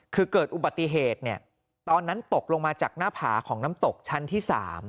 คือเกิดอุบัติเหตุตอนนั้นตกลงมาจากหน้าผาของน้ำตกชั้นที่๓